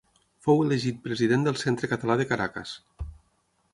Fou elegit president del Centre Català de Caracas.